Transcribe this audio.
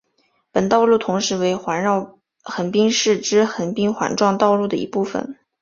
本道路同时为环绕横滨市之横滨环状道路的一部份。